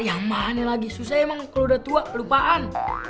yang mana lagi susah emang kalau udah tua lupaan